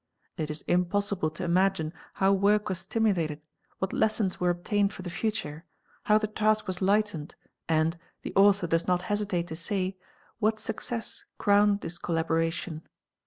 It is impossible to imagine how work was stimulated, what lessons were obtained for the future, how the task was lightened, and, the author does not hesitate to say, what success crowned — this collaboration.